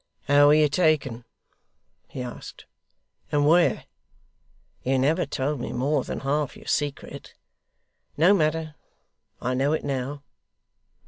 'How were you taken?' he asked. 'And where? You never told me more than half your secret. No matter; I know it now.